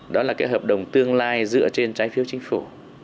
đó là cái hợp đồng tương lai dựa trên trái phiếu chính phủ